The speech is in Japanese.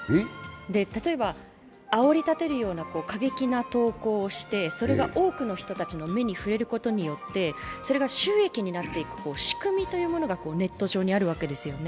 例えば、煽り立てるような過激な投稿をしてそれが多くの人たちの目に触れることによってそれが収益になっていく仕組みというのがネット上にあるわけですよね。